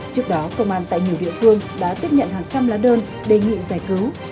trước đó công an tại nhiều địa phương đã tiếp nhận hàng trăm lá đơn đề nghị giải cứu